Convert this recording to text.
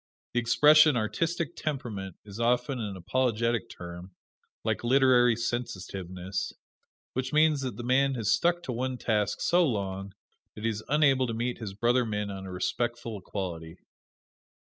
The expression "artistic temperament" is often an apologetic term, like "literary sensitiveness," which means that the man has stuck to one task so long that he is unable to meet his brother men on a respectful equality.